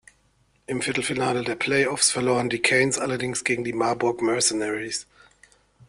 Im Viertelfinale der Play-offs verloren die Canes allerdings gegen die Marburg Mercenaries.